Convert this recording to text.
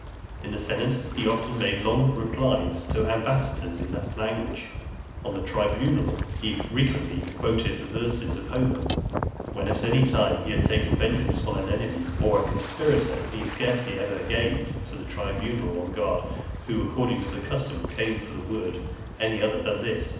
In the senate he often made long replies to ambassadors in that language. On the tribunal he frequently quoted the verses of Homer. When at any time he had taken vengeance on an enemy or a conspirator, he scarcely ever gave to the tribune on guard, who, (330) according to custom, came for the word, any other than this.